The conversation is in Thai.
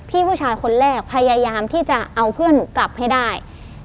ผู้ชายคนแรกพยายามที่จะเอาเพื่อนหนูกลับให้ได้